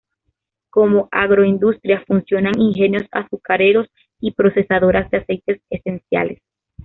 Como agroindustrias funcionan ingenios azucareros y procesadoras de aceites esenciales.